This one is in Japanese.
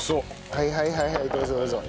はいはいはいはいどうぞどうぞ。